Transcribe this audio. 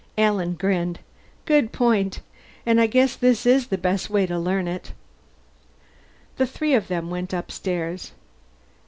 Alan grinned. "Good point. And I guess this is the best way to learn it." The three of them went upstairs.